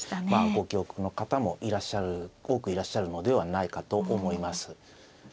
ご記憶の方も多くいらっしゃるのではないかと思います。